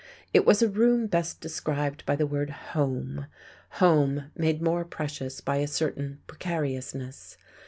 It was a room best described by the word "home" home made more precious by a certain precariousness.